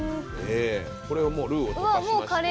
これはもうルーを溶かしまして。